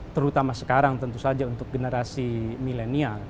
terutama sekarang tentu saja untuk generasi milenial